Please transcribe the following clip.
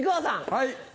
はい。